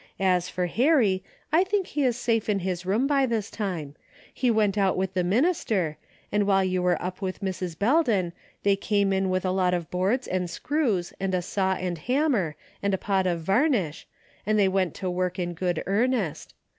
As for Harry, I think he is safe in his room by this time. He went out with the minister, and while you were up with Mrs. Belden they came in with a lot of boards and screws and a saw and hammer and a pot of varnish, and they went to work in good ear nest.